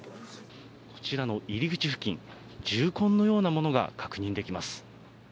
こちらの入り口付近銃痕のようなものが確認できます。